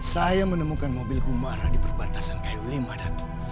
saya menemukan mobil gumara di perbatasan kayu limba datuk